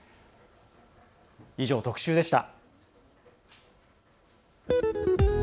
以上、特集でした。